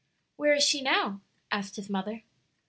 "Where is she now?" asked his mother.